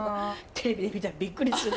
テレビで見たらびっくりする。